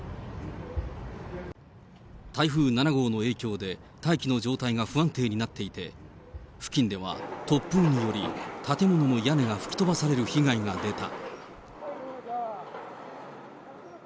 台風７号の影響で大気の状態が不安定になっていて、付近では突風により、建物の屋根が吹き飛ばされる被害が出た。